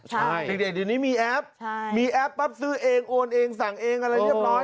ใช่เด็กเดี๋ยวนี้มีแอปมีแอปปั๊บซื้อเองโอนเองสั่งเองอะไรเรียบร้อย